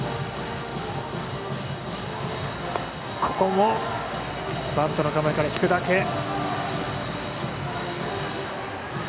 ここもバントの構えから引くだけ。